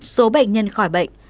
số bệnh nhân khỏi bệnh